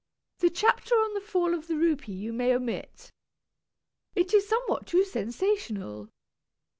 The chapter on the Fall of the Rupee you may omit. It is somewhat too sensational.